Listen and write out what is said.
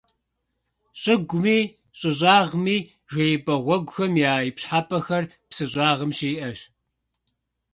ЩӀыгуми, щӀы щӀагъми жеипӀэ гъуэгухэм я ипщхьэпӀэхэр псы щӀагъым щыӀэщ.